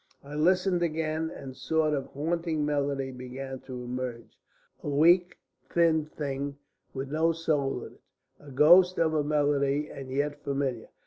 I listened again, and a sort of haunting melody began to emerge a weak thin thing with no soul in it, a ghost of a melody, and yet familiar.